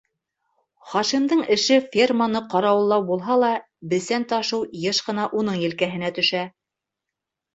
Хашимдың эше ферманы ҡарауыллау булһа ла бесән ташыу йыш ҡына уның елкәһенә төшә.